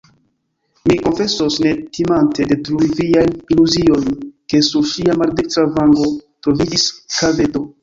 Mi konfesos, ne timante detrui viajn iluziojn, ke sur ŝia maldekstra vango troviĝis kaveto.